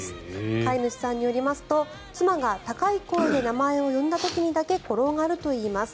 飼い主さんによりますと妻が高い声で名前を呼んだ時にだけ転がるといいます。